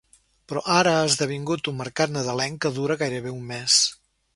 Però ara ha esdevingut un mercat nadalenc que dura gairebé un mes.